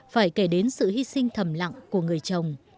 phải kể đến sự hy sinh thầm lặng của người chồng